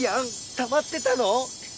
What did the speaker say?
たまってたの？